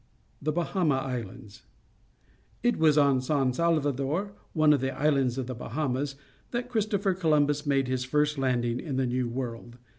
ji^^^TTie Bahama Islands. — It was on San Salvador, one of the islands of the Bahamas, that Christopher Columbus made his first landing in the New World.